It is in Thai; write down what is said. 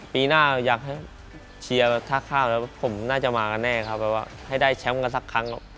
ปีหน้าอยากให้เชียร์ถ้าข้ามแล้วผมน่าจะมากันแน่ครับแบบว่าให้ได้แชมป์กันสักครั้ง